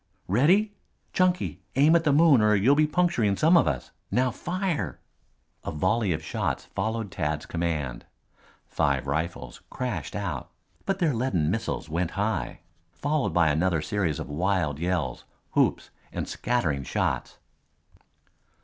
"Ready Chunky, aim at the moon or you'll be puncturing some of us. Now fire!" A volley of shots followed Tad's command. Five rifles crashed out, but their leaden missiles went high, followed by another series of wild yells, whoops and scattering shots.